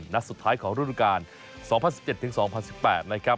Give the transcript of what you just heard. นัดสุดท้ายของฤดูการ๒๐๑๗๒๐๑๘นะครับ